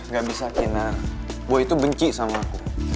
gak bisa kina gue itu benci sama aku